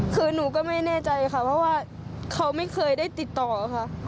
คือหนูก็ไม่แน่ใจค่ะเพราะว่าเขาไม่เคยได้ติดต่อค่ะ